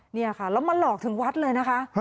นี่ค่ะแล้วมาหลอกถึงวัดเลยนะคะ